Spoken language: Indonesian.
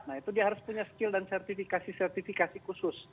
nah itu dia harus punya skill dan sertifikasi sertifikasi khusus